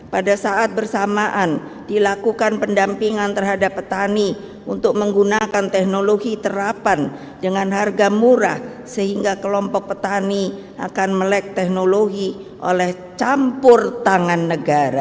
pada saat bersamaan dilakukan pendampingan terhadap petani untuk menggunakan teknologi terapan dengan harga murah sehingga kelompok petani akan melek teknologi oleh campur tangan negara